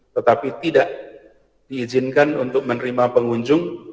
tetapi tidak diizinkan untuk menerima pengunjung